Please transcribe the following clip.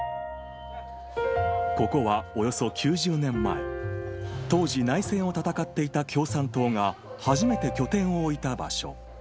ここはおよそ９０年前、当時、内戦を戦っていた共産党が、初めて拠点を置いた場所。